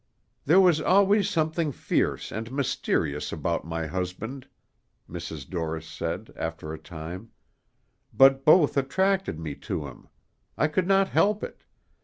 "There was always something fierce and mysterious about my husband," Mrs. Dorris said, after a time; "but both attracted me to him. I could not help it.